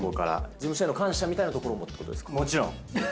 事務所への感謝みたいなとこもちろん。